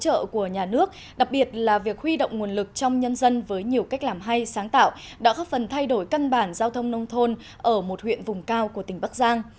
hỗ trợ của nhà nước đặc biệt là việc huy động nguồn lực trong nhân dân với nhiều cách làm hay sáng tạo đã góp phần thay đổi căn bản giao thông nông thôn ở một huyện vùng cao của tỉnh bắc giang